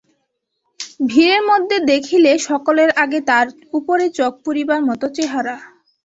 ভিড়ের মধ্যে দেখিলে সকলের আগে তাঁর উপরে চোখ পড়িবার মতো চেহারা।